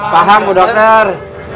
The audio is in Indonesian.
paham bu dokter